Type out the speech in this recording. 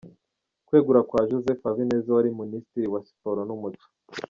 Kwegura kwa Jozefu Habineza wari Munisitiri wa Siporo n’Umuco.